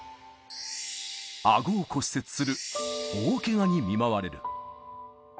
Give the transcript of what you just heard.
あごを骨折する大けがに見舞われる。